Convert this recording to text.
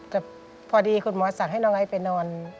แต่พอดีคุณหมอสั่งให้น้องไอซ์ไปนอน